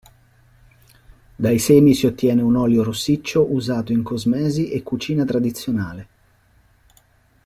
Dai semi si ottiene un olio rossiccio usato in cosmesi e cucina tradizionale.